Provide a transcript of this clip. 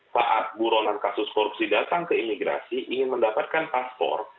saat buronan kasus korupsi datang ke imigrasi ingin mendapatkan paspor